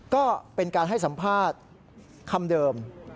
ก็เป็นการให้สัมภาษณ์คำเดิม